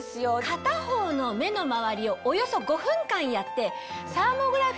片方の目の周りをおよそ５分間やって。